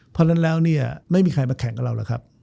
เพราะฉะนั้นแล้วเนี่ยไม่มีใครมาแข่งกับเราหรอกครับ